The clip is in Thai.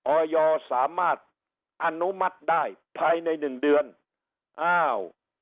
ออยสามารถอนุมัติได้ภายในหนึ่งเดือนอ้าว